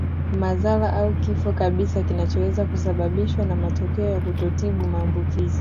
Madhara au kifo kabisa kinachoweza kusababishwa na matokeo ya kutotibu maambukizi